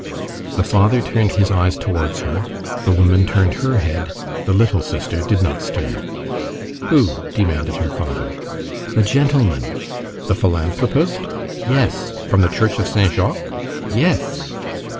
The father turned his eyes towards her, the woman turned her head, the little sister did not stir. "Who?" demanded her father. "The gentleman!" "The philanthropist?" "Yes." "From the church of Saint Jacques?" "Yes."